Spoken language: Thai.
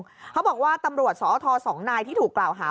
เขาบอกว่าตำรวจสอท๒นายที่ถูกกล่าวหา